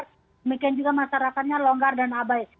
demikian juga masyarakatnya longgar dan abai